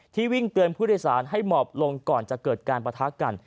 ที่วิ่งเตือนพฤษศาลให้หมอบลงก่อนจะเกิดการประทะกัน